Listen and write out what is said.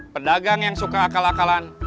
pedagang yang suka akal akalan